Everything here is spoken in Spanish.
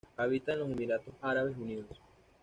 Habita en los Emiratos Árabes Unidos.